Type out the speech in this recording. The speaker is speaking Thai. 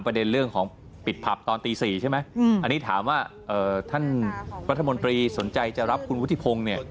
เพราะว่าก่อนหน้านี้